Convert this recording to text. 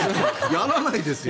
やらないですよ！